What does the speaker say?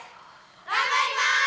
頑張ります！